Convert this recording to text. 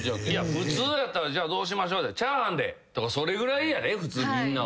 普通だったらじゃあどうしましょうで「チャーハンで」とかそれぐらいやで普通みんなは。